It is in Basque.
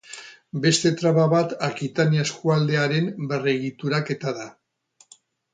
Beste traba bat Akitania eskualdearen berregituraketa da.